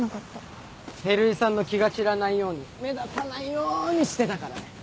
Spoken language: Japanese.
照井さんの気が散らないように目立たないようにしてたからね。